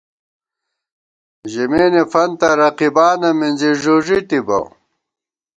ژِمېنےفنتہ رقیبانہ مِنزی ݫُݫِی تِبہ